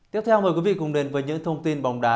tiếp theo mời quý vị cùng đến với những thông tin bóng đá